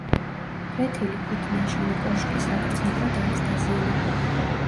ფლეთილი ქვით ნაშენი კოშკი საგრძნობლად არის დაზიანებული.